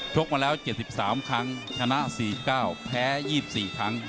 กมาแล้ว๗๓ครั้งชนะ๔๙แพ้๒๔ครั้ง